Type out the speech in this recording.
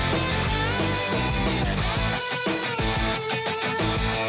ส่วนต่อไปของเพียงขวัญคือการรักษามาตรฐาน